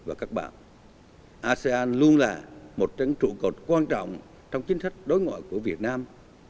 asean luôn là một trận trụ cột quan trọng trong chính sách đối ngoại của việt nam